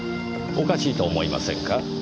おかしいと思いませんか？